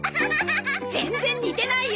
全然似てないよ！